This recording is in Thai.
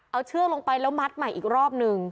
เอาเชือกลงไปแล้วมัดใหม่อีกรอบนึง